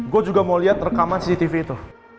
gue juga mau lihat rekaman cctv itu